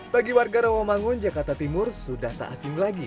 bagi warga rawamangun jakarta timur sudah tak asing lagi